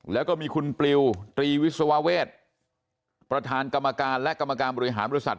แล้วก็มีคุณปลิวตรีวิศวเวศประธานกรรมการและกรรมการบริหารบริษัท